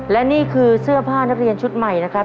และนี่คือเสื้อผ้านักเรียนชุดใหม่นะครับ